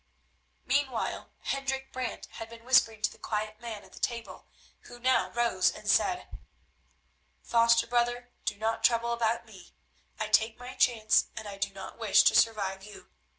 Meanwhile Hendrik Brant had been whispering to the quiet man at the table, who now rose and said: "Foster brother, do not trouble about me; I take my chance and I do not wish to survive you.